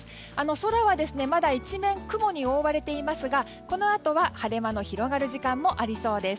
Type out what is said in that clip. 空は、まだ一面雲に覆われていますがこのあとは晴れ間の広がる時間もありそうです。